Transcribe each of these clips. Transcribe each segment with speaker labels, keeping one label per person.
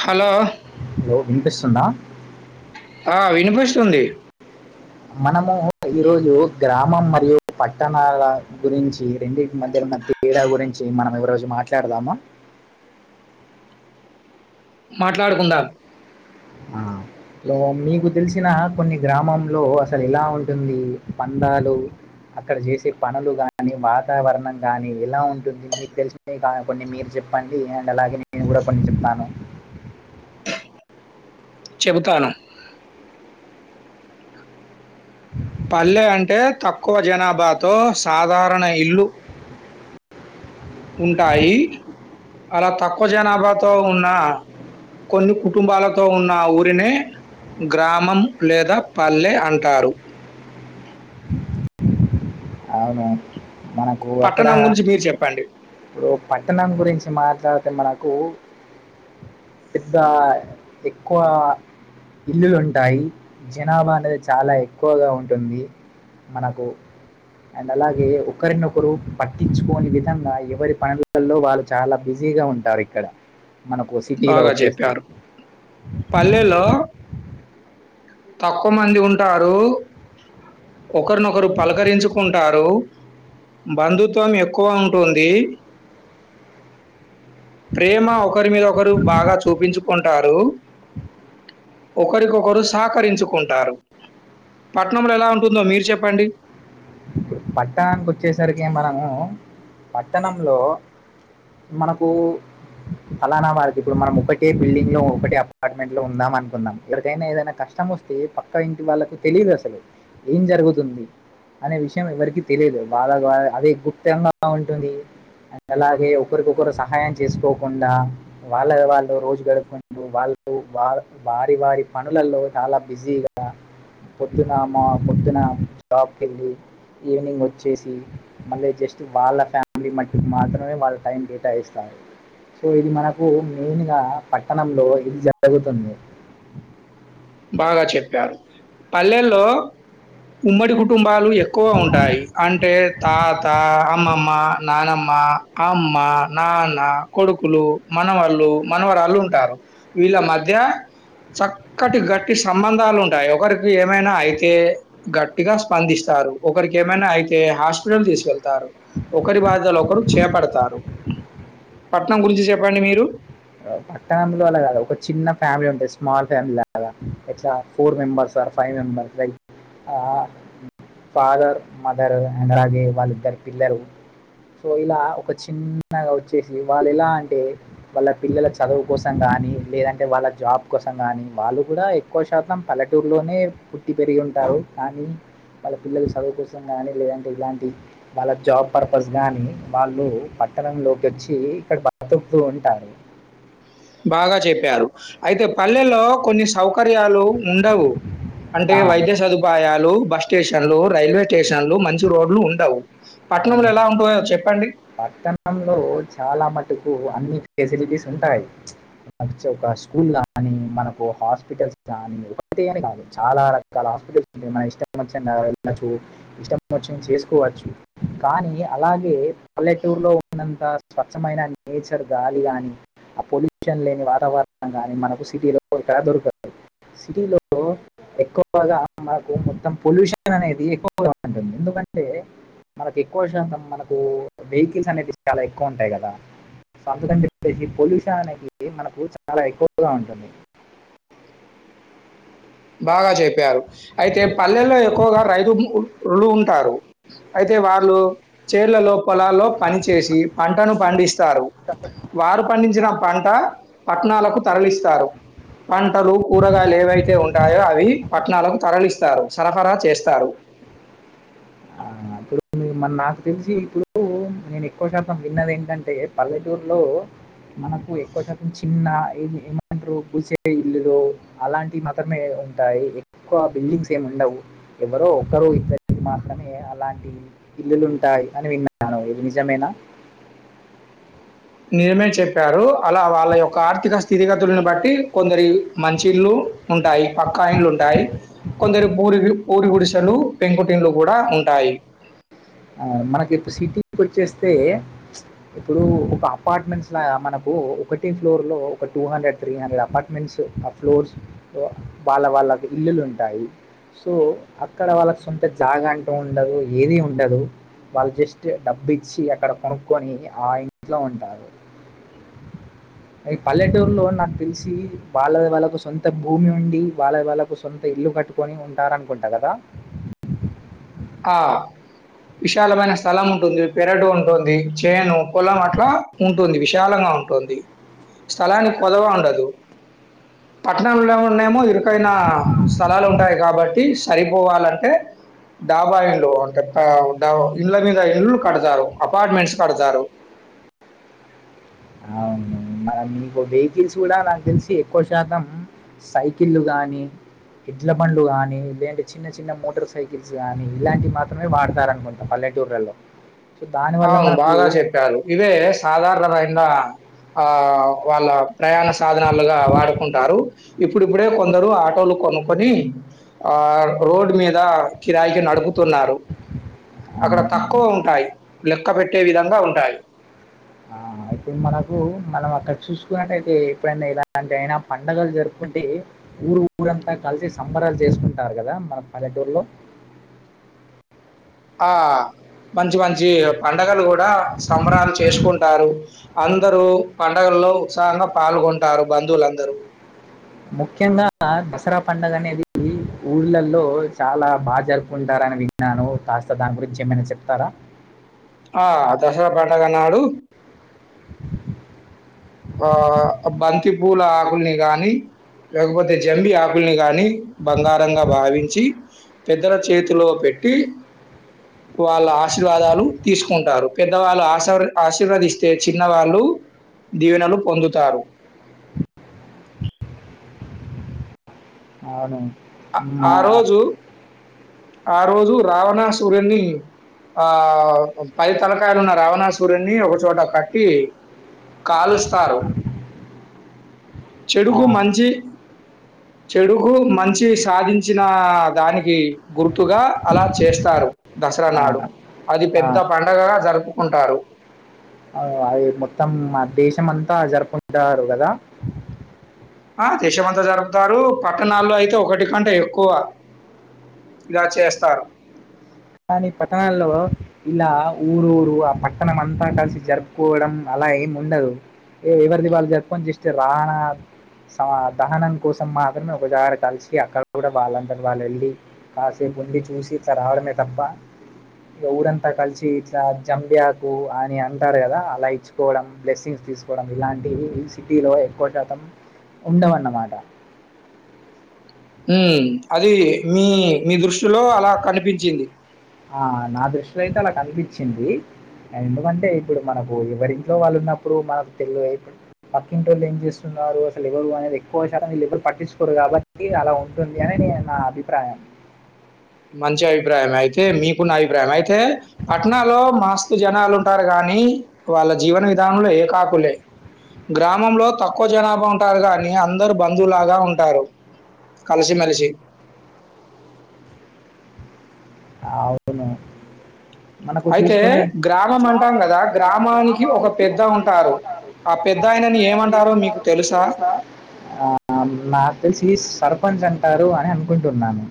Speaker 1: Hello.
Speaker 2: లో వినిపిస్ తుందా
Speaker 1: ఆ వినిపిస్తుంది
Speaker 2: మనము ఈరోజు గ్రామం మరియు పట్టణాల గురించి రెండింటి మధ్య తేడా గురించి మనం ఎవరోజు మాట్లాడుదామ
Speaker 1: మాట్లాడుకుందాం
Speaker 2: ఆ మీకు తెలిసిన కొన్ని గ్రామంలో అసలు ఎలా ఉంటుంది పందాలు అక్కడ చేసే పనులు గాని వాతావరణం కాని ఎలా ఉంటుంది మీకు తెలిసిన కొన్ని మీరు చెప్పండి అండ్ అలాగే నేను కూడా కొన్ని చెప్తాను
Speaker 1: చెబుతాను పల్లె అంటే తక్కువ జనాభాతో సాధారణ ఇల్లు ఉంటాయి అలా తక్కువ జనాభాతో ఉన్న కొన్ని కుటుంబాలతో ఉన్న ఊరినే గ్రామం లేదా పల్లె అంటారు
Speaker 2: అవును మనకు అక్కడ
Speaker 1: పట్టణం గురించి మీరు చెప్పండి.
Speaker 2: ఇప్పుడు పట్టణం గురించి మాట్లాడు అంటే మనకు పెద్ద ఎక్కువ ఇల్లులు ఉంటాయి జనాభా అనేది చాలా ఎక్కువగా ఉంటుంది మనకు అండ్ అలాగే ఒకరినొకరు పట్టించుకోని విధంగా ఎవరి పనులలో వాళ్ళు చాలా బిజీగా ఉంటారు ఇక్కడ మనకు సిటీలో
Speaker 1: బాగా
Speaker 2: వచ్చేస్తే
Speaker 1: చెప్పారు పల్లెలో తక్కువ మంది ఉంటారు ఒకరినొకరు పలకరించుకుంటారు బంధుత్వం ఎక్కువ ఉంటుంది ప్రేమ ఒక ఒకరి మీద ఒకరు బాగా చూపించు ఉంటారు ఒకరికొకరు సహకరించుకుంటారు పట్ణంలో ఎలా ఉంటుందో మీరు చెప్పండి
Speaker 2: ఇప్పుడు పట్టణానికి వచ్చేసరికి మనము పట్టణంలో మనకు ఫలానా వాారిదు ఇప్పుడు మనం ఒకటే బిల్డింగ్ లో ఒకటే అపార్ట్మెంట్ లో పట్టణానికి వచ్చేసరికి మనము పట్టణములో మనము పలానా వారికి ఇప్పుడు మనము ఒక కేజీలు అపార్ట్మెంట్లో ఉందాం అనుకుందాం ఇక్కడికైనా ఏదైనా కష్టం వస్తే పక్క ఇంటి వాళ్ళకు తెలియదు అసలు ఏం జరుగుతుంది అనే విష విష ఎవరికి తెలియదు వాళ్ళ అదే గుప్తంగా ఉంటుంది అ అలాగే ఒకరికొకరు సహాయం ఎవరికి తెలియదు అండ్ అలాగే ఒకరికి ఒకరు సహాయం చేసుకోకుండా వాళ్ళ వాళ్ళు రోజు గడుపుకుంటూ వాళ్ళు వారి వారి పనులలో చాలా బిజీగా పొద్దున పొద్దున జాబ్కిళ్ళి ఈవినింగ్ వచ్చేసి మళ్ళీ జస్ట్ వాళ్ళ ఫ్యామిలీ ఈవినింగ్ వచ్చేసి మల్ల జస్ట్ వాళ్ళ పనుల్లో మట్టికి మాత్రమే వాళ్ళ టైం కేటాయిస్తారు సో ఇది మనకు మెయిన్గా పట్టణంలో ఇది జరుగుతుంది
Speaker 1: బాగా చెప్పారు పల్లెల్లో ఉమ్మడి కుటుంబాలు ఎక్కువ ఉంటాయి అంటే తా అమ్మమ్మ నానమ్మ అమ్మ నాన్న కొడుకులు మనవాళ్ళు మనవరాళ్ళు ఉంటారు వీళ్ళ మధ్య చ ఒకటి గట్టి సంబంధాలు ఉంటాయి ఒకరికి ఏమైనా అయితే గట్టిగా స్పంది
Speaker 2: పట్టణ కా ఒక చిన్న ఫ్యామిలీ ఉంటాయి స్మాల్ ఫ్యామిలీ లాగా ఇట్లా ఫోర్ మెంబర్స్ ఆ five members father mother and అలాగే వాళ్ళిద్దరు పిల్లలు సో ఇలా ఒక చిన్నగా వచ్చేసి వాళ్ళు ఎలా అంటే వాళ్ళ పిల్లల చదువు కోసం కానీ లేదంటే వాళ్ళ జాబ్ కోసం కానీ వాళ్ళు కూడా ఎక్కువ శాతం పల్లెటూరులోనే పుట్టి పెరిగి ఉంటారు కానీ వాళ్ళ పిల్లలు చదువు కోసం కానీ లేదంటే ఇలాంటి వాళ్ళ జాబ్ పర్పస్ కానీ వాళ్ళు పట్టణంలోకి వచ్చి ఇక్కడ బ్రతుకుకుతూ ఉంటారు
Speaker 1: బాగా చెప్పారు అయితే పల్లెలో కొన్ని సౌక సౌకర్యాలు ఉండవు అంటే
Speaker 2: ఆ,
Speaker 1: వైద్య సదుపాయాలు బ స్టేషన్లు రైల్వే స్టేషన్ లో మంచి రోడ్లు ఉండవు పట్టణంలో
Speaker 2: అవును
Speaker 1: ఎలా ఉంటుయో చెప్పండి
Speaker 2: పట్టణంలో చాలా మటుకు అన్ని ఫెసిలిటీస్ ఉంటాయి ఒక స్కూల్ కానీ మనకు హాస్పిటల్స్ కానీ చాలా రకాల హాస్పిటల్స్ ఉ మన ఇష్ట వచ్చ వెళ్ళచ్చు ఇష్టం వచ్చ చేసుకోవచ్చు కానీ అలాగే పల్లెటూరులో ఉన్నంత స్వచ్ఛమైన నేచర్ గాలి కానీ ఆ పొల్యూషన్ లేని వాతావరణం కానీ మనకు సిటీలో ఇక్కడ దొరుకుంది సిటీలో ఎక్కువగా మనకు మొత్తం పొల్యూషన్ అనేది ఎక్కువగా ఉంటుంది ఎందుకంటే మనకు ఎక్కువ శాతం మనకు వెహికిల్స్ అనేవి చాలా ఎక్కువ ఉంటాయి కదా సో అందుకని చెప్పేసి పొల్యూషన్ అనేది మనకు చాలా ఎక్కువగా ఉంటుంది
Speaker 1: బాగా చెప్పారు అయితే పల్లెల్లో ఎక్కువగా రైతులు ఉంటారు అయితే వాళ్ళు చేళ్లలో పొలాల్లో పని చేేసి పంటను పండిస్త వారు పండించిన పంట పట్నాలకు తరలిస్తారు పంటలు కూరగాయలు ఏవైతే ఉంట ఉంటాయో అవి పట్నాలకు తరలిస్తారు సరఫరా చేస్తారు
Speaker 2: ఆ అప్పుడు నాకు తెలిసి ఇప్పుడు నేను ఎక్కువ శాతం విన్నది ఏంటంటే పల్లెటూరులో మనకు ఎక్కువ శాతం చిన్న ఏ ఏమంటారు గుసే ఇల్లులు అలాంటివి మాత్ర డే అలాంటి ఇల్లులుంటాయి అని విన్నాను ఎది నిజమేనా
Speaker 1: నిజమే చెప్పారు అలా వాళ్ళ యొక్క ఆర్థిక స్థితిగతులను బట్టి కొందరి మంచి ఇళ్ళలు ఉంటాయి పక్కా ఇల్లు ఉంటాయి కొందరు పూరి పూరి గుడిసెలు పెంకుటింలు కూడా ఉంటాయి
Speaker 2: మనకి ఇప్పుడు సిటీకి వచ్చేస్తే ఇప్పుడు ఒక అపార్ట్మెంట్స్లాగా మనకు ఒకటే ఫ్లోర్లో ఒక two hundred three hundred apartments ఆ ఫ్లోర్స్ వాళ్ళ వాళ్ళకి ఇల్లులు ఉంటాయి సో అక్కడ వాళ్ళకి సొంత జాగా అంటూ ఉండదు ఏది ఉండదు వాళ్ళు జస్ట్ డబ్బు ఇచ్చి అక్కడ కొనుక్కొని ఆ ఇంట్లో ఉంటారు పల్లెటూరులో నాకు తెలి
Speaker 1: ఆ విశాలమైన స్థలం ఉంటుంది పెరడు ఉంటుంది చేను పొలం అట్లా ఉంటుంది విశాలంగా ఉంటుంది స్థలానికి కొదవ ఉండదు పట్నం లొ ఉన్న మళ్ళీ స్థలాలల్లో ఉంటాయి కాబట్టి సరిపోవాలంటే డాబా ఇల్లు పెద్ద డాబా ఇళ్ళనీ కాదు ఇళ్లు కడతారు అపార్ట్మెంట్స్ కడతారు
Speaker 2: మనం ఒక వెహికల్స్ కూడా నాకు తెలిసి ఎక్కువ శాతం సైకిళ్లు గాని ఎండ్ల బండ్లు గాని లేదంటే చిన్న చిన్న మోటార్ సైకిల్స్ గాని ఇలాంటి మాత్రమే వాడతారు అనుకుంటా పల్లెటూర్లలో సో దానివల్ల
Speaker 1: అవును
Speaker 2: మనకు
Speaker 1: బాగా చెప్పారు ఇవే సాధారణమైన ఆ వాళ్ళ ప్రయాణ సాధనాలుగా వాడుకుంటారు ఇప్పుడిప్పుడే కొందరు ఆటోలు కొనుక్కొని ఆ రోడ్ మీద కిరాయికి నడుపుతున్నారు
Speaker 2: ఆ!
Speaker 1: అక్కడ తక్కువ ఉంటాయి లెక్క పెట్టే విధంగా ఉంటాయి
Speaker 2: అయితే మనకు మనం అక్కడ చూసుకున్నట్టయితే ఎప్పుడైనా ఇలాంటి అయినా పండుగలు జరుపుకుంటే ఊరు ఊరంతా కలిసి సంబరాలు చేసుకుంటారు కదా మన పల్లెటూరులో
Speaker 1: ఆ మంచి మంచి పండగలు కూడా సంబరాలు చేసుకుంటారు అందరూ పండగల్లో ఉత్సాహంగా పాల్గొంటారు బంధువులందరూ
Speaker 2: ముఖ్యంగా దసరా పండుగ అనేది ఊళ్ళలో చాలా బాగా జరుపుకుంటారని విన్నాను కాస్త దాని గురించి ఏమైనా చెప్తారా
Speaker 1: ఆ దసరా పండుగ నాడు ఆ బంతిపూల ఆకుల్ని గాని లేకపోతే జంబి ఆకుల్ని గాని బంగారంగా భావించి పెద్దల చేతిలో పెట్టి వాళ్ళ ఆశీర్వాదాలు తీసుకుంటారు పెద్దవాళ్ళు ఆశ ఆశీర్వాది ఇస్తే చిన్న వాళ్ళు దీవెనలు పొందుతారు
Speaker 2: అవును
Speaker 1: ఆ రోజు ఆ రోజు రావణాసూరుని ఆ పది తలకాయలున్న రావణా సూర్యుని ఒకచోట కట్టి కాలుస్తారు
Speaker 2: ఆ
Speaker 1: చెడుకు మంచి చెడుకు మంచి మంచి సాధించిన దానికి గుర్తుగా అలా చేస్తారు దసరా నాడు అది
Speaker 2: ఆ
Speaker 1: పెద్ద పండుగగా జరుపుకుంటారు
Speaker 2: ఆ, అది మొత్తం మన దేశంమంతా జరుపుకుంటారు కదా
Speaker 1: ఆ దేశమంతా జరుపుతారు. పట్టణాల్లో అయితే ఒకటి కంటే ఎక్కువ ఇలా చేస్తారు.
Speaker 2: కానీ పట్టణాల్లో ఇలా ఊరు ఊరు ఆ పట్టణం అంతా కలిసి జరుపుకోవడం అలా ఏం ఉండదు. ఏ ఎవరిది వాళ్ళు జరుపుకొని జస్ట్ రావణ దహనం కోసం మాత్రమే ఒక చాట కలిసి అక్కడ గూడ వాళ్ళంతట వాళ్ళు వెళ్ళి కాసేపు ఉండి చూసి ఇట్లా రావడమే తప్ప ఇగ ఊరంతా కలిసి ఇట్లా జంబిఆకు అని అంటారు కదా అలా ఇచ్చుకోవడం బ్లెస్సింగ్స్ తీసుకోవడం ఇలాంటివి ఈ సిటీలో ఎక్కువ శాతం ఉండవన్నమాట.
Speaker 1: హ్మ్ అది మీ మీ దృష్టిలో అలా కనిపించింది.
Speaker 2: ఆ నా దృష్టిలో అయితే అలా అనిపించింది. ఎందుకంటే ఇప్పుడు మనకు ఎవరింట్లో వాళ్ళు ఉన్నప్పుడు మనకు తెలిదు కదా పక్కింటోళ్ళు ఏం చేస్తున్నారు అసలు ఎవరు అనేది ఎక్కువ శాతం వెళ్లేవరు పట్టించుకోరు. కాబట్టి అలా ఉంటుంది అని నేను నా అభిప్రాయం.
Speaker 1: మంచి అభిప్రాయం అయితే మీకున్న అభిప్రాయం అయితే పట్నల్లొ మాస్తు జనాలు ఉంటారు గానీ వాళ్ళ జీవన విధానంలో ఏకాకులే గ్రామంలో తక్కువ జనాభా ఉంటారు గానీ అందరు బంధులాగా ఉంటారు. కలిసిమెలిసి
Speaker 2: అవును మనకు
Speaker 1: అయితే
Speaker 2: చూసుకునే
Speaker 1: గ్రామం అంటాం గదా! గ్రామానికి ఒక పెద్ద ఉంటారు. ఆ పెద్దాయనని ఏమంటారో మీకు తెలుసా?
Speaker 2: ఆ నాకు తెలిసి సర్ న్స్ అంటారు. అని అనుకుంటున్నాను.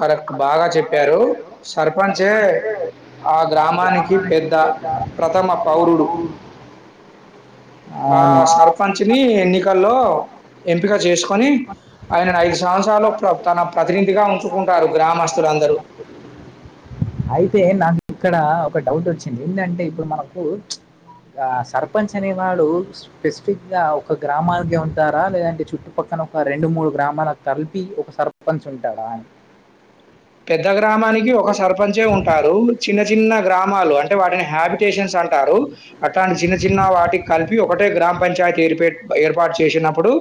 Speaker 1: కరెక్ట్ బాగా చెప్ చెప్పారు సర్పంచే ఆ గ్రామానికి పెద్ద ప్రథమ పౌరుడు. ఆ
Speaker 2: అవును
Speaker 1: సర్పంచ్ని ఎన్నికల్లో ఎంపిక చేసుకొని ఆయనని ఐదు సంవత్సరాలు తన ప్రతినిధిగా ఉ కుంటారు. గ్రామస్తు రందరు.
Speaker 2: అయితే నాకు ఇక్కడ ఒక డౌట్ ఒచ్చింది. ఎందంటే ఇప్పుడు మనకు ఆ సర్పంచ్ అనేవాడు స్పెసిఫిక్గా ఒక గ్రామానికే ఉంటారా లేదంటే చుట్టుపక్కన ఒక రెండు మూడు గ్రామాలకు కలిపి ఒక సర్పంచ్ ఉంటాడా అని
Speaker 1: పెద్ద గ్రామాని కి ఒక సర్పంచే ఉంటాడు. చిన్న చిన్న గ్రామాలు అంటే వాటిని హ్యాబిటేషన్స్ అంటారు. అట్లాంటి చిన్న చిన్న వాటికి కలిపి ఒకటే గ్రామ పంచాయతీ ఏర్ పెట్ ఏర్ ర్పాట్ చేసినప్పుడు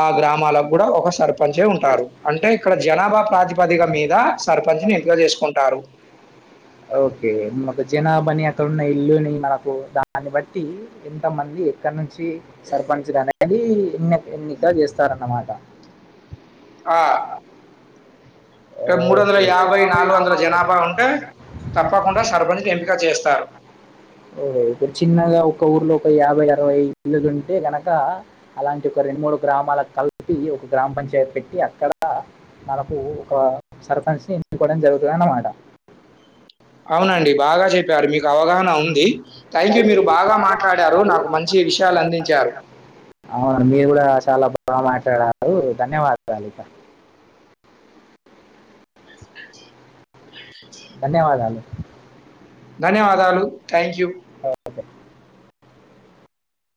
Speaker 1: ఆ గ్రామాలకు గుడ ఒక సర్ప పంచే ఉంటారు. అంటే ఇక్కడ జనాభా ప్రాతిపదిగా మీ సర్పంచ్ని ఎంపిక చేసుకుంటారు.
Speaker 2: ఓకే మనకు జనాభాని అక్కడున్న ఇల్లుని మనకు దాన్ని బట్టి ఎంత మంది ఎక్కడ నుంచి సర్పంచ్ అనేది ఎన్నిక చేస్తారన్నమాట్ ఆ
Speaker 1: ఇక్కడ మూడు వందల యాభై నాలుగు వందల జనాభా ఉంటే తప్పకుండా సర్పంచ్ ఎంపిక చేస్తారు.
Speaker 2: ఇరవై అరవై ఇల్లులు ఉంటే గనక అలాంటి ఒక రెండు మూడు గ్రామాలకు కలిపి ఒక గ్రామ పంచాయత్ పెట్టి అక్కడ మనకు ఒక సర్పంచ్ని ఎన్నుకోవడం జరుగుతుందన్నమాట.
Speaker 1: అవునండి. బాగా చెప్ ప్పారు. మిర్
Speaker 2: థ్యాంక్యూ మీరు బాగా మాట్లాడారు. నాకు మంచి విషయాలు అందించారు. అవునా మీరు గూడ చాలా బాగా మాట్ లు ధన్యవాదాలిక. ధన్యవాదాలు.
Speaker 1: ధన్యవాదాలు థ్యాంక్ యూ